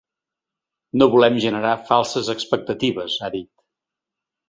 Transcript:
No volem generar falses expectatives, ha dit.